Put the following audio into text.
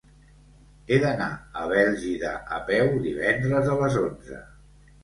He d'anar a Bèlgida a peu divendres a les onze.